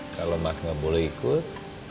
kalo mas gak boleh ikut